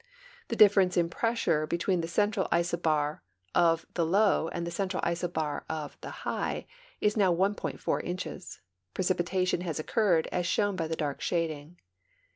The difference in pressure between the central isoliar of the low and the central isobar of the higli is now 1.4 incbes. Precipitation has occurred, as shown by the dark shading.